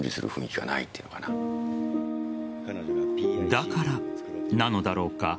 だからなのだろうか。